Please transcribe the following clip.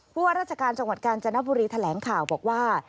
ว่าราชการจังหวัดกาญจนบุรีแถลงข่าวบอกว่า